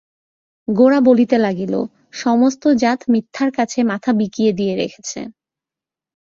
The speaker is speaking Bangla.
গোরা বলিতে লাগিল, সমস্ত জাত মিথ্যার কাছে মাথা বিকিয়ে দিয়ে রেখেছে।